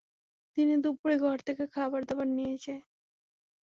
দিনে-দুপুরে ঘর থেকে খাবারদাবার নিয়ে যায়।